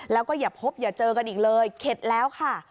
แล้วก็อย่าพบอย่าเจอกันอีกเลยเข็ดแล้วค่ะ